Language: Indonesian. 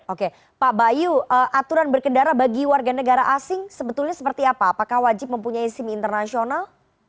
oke pak bayu aturan berkendara bagi warga negara asing sebetulnya seperti apa apakah wajib mempunyai sim internasional